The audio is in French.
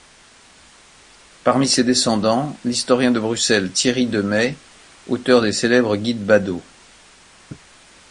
Parmi ses descendants, l'historien de Bruxelles Thierry Demey, auteur des célèbres Guides Badeaux.